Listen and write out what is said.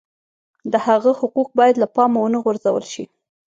د هغه حقوق باید له پامه ونه غورځول شي.